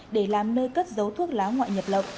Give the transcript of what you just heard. để làm nơi cất giấu thuốc lá ngoại nhập lậu